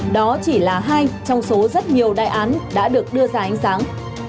đó chỉ là hai trong số rất nhiều đại án đã được đưa ra ánh sáng